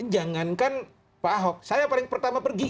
jangankan pak ahok saya paling pertama pergi